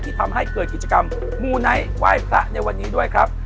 ทำให้เกิดกิจกรรมมูไนท์ไหว้พระในวันนี้ด้วยครับ